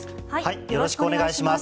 よろしくお願いします。